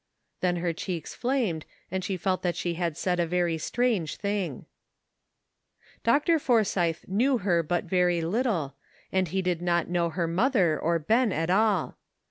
Then her cheeks flamed, and she felt that she had said a very strange thing. Dr. Forsythe knew her but very little, and MACHINES AND NEWS. 267 he did not know her mother or Ben at all.